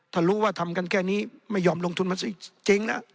ท่านรู้ว่าทำกันแค่นี้ไม่ยอมลงทุนมาจริงนะ